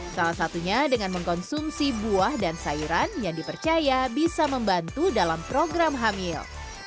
salah satunya dengan mengkonsumsi buah dan sayuran yang dipercaya bisa membantu dalam program hamil